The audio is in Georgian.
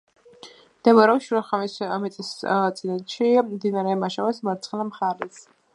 მდებარეობს შუა ხრამის მთისწინეთში, მდინარე მაშავერის მარცხენა მხარეს.